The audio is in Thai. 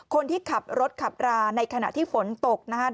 คนที่ขับรถขับราในขณะที่ฝนตกนะครับ